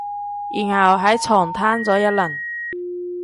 然後喺床攤咗一輪